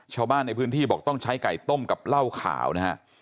ชาวบ้านในพื้นที่บอกต้องใช้ไก่ต้มกับเหล้าขาวนะฮะ